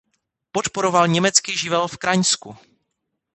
Podporoval německý živel v Kraňsku.